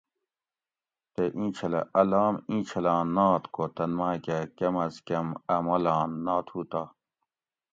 تے اینچھلہ ا لام اینچھلاں نات کو تن ماۤکہ کم از کم اۤ ملان ناتھو تہ